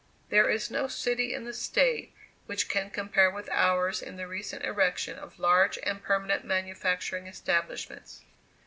There is no city in the State which can compare with ours in the recent erection of large and permanent manufacturing establishments.